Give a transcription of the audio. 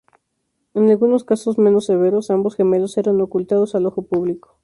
En algunos casos menos severos, ambos gemelos eran ocultados al ojo público.